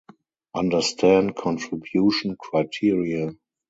Understand contribution criteria.